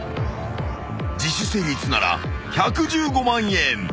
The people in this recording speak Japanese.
［自首成立なら１１５万円。